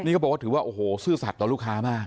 นี่เขาบอกว่าถือว่าโอ้โหซื่อสัตว์ต่อลูกค้ามาก